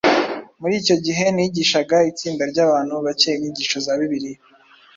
Muri icyo gihe, nigishaga itsinda ry’abantu bake inyigisho za Bibiliya